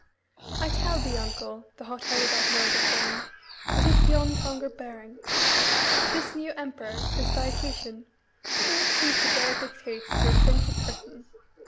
"I tell thee, uncle," the hot headed admiral was saying, "it is beyond longer bearing. This new emperor this Diocletian who is he to dare to dictate to a prince of Britain?